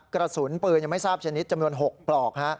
กระสุนปืนยังไม่ทราบชนิดจำนวน๖ปลอก